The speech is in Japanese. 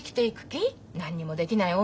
何にもできない女が。